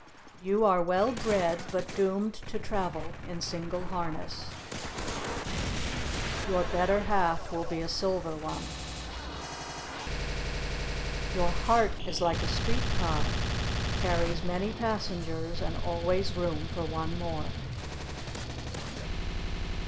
You are well bred, but doomed to travel in single harness. Your better half will be a silver one. Your heart is like a street car carries many passengers and always room for one more.